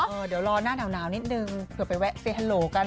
หรอเดี๋ยวรอน่านาวนิดหนึ่งเผื่อไปแวะสเทย์ฮัลโหล์กัน